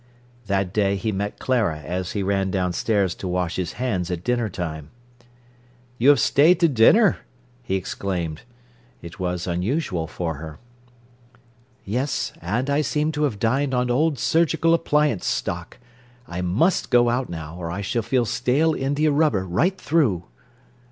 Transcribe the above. That day he met Clara as he ran downstairs to wash his hands at dinner time. "You have stayed to dinner!" he exclaimed. It was unusual for her. "Yes; and I seem to have dined on old surgical appliance stock. I must go out now, or I shall feel stale india rubber right through."